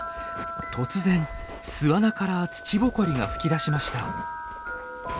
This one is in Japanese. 突然巣穴から土ぼこりが噴き出しました。